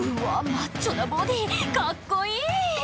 マッチョなボディーカッコいい！